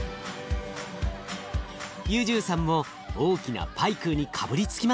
ユジュウさんも大きなパイクーにかぶりつきます。